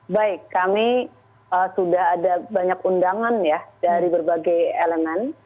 baik kami sudah ada banyak undangan ya dari berbagai elemen